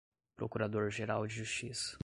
procurador-geral de justiça